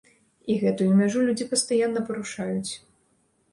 І гэтую мяжу людзі пастаянна парушаюць.